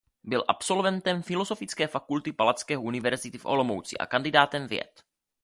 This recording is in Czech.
Byl absolventem Filozofické fakulty Palackého univerzity v Olomouci a kandidátem věd.